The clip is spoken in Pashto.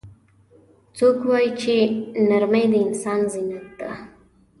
څوک وایي چې نرمۍ د انسان زینت ده